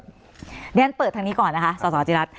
เดี่ยวฉันเปิดทางนี้ก่อนสสจิรัส